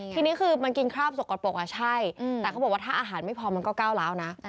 ทีนี้คือมันกินคราบสกปรกอ่ะใช่แต่เขาบอกว่าถ้าอาหารไม่พอมันก็ก้าวร้าวนะ